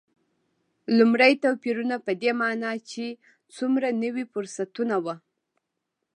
لومړ توپیرونه په دې معنا چې څومره نوي فرصتونه و.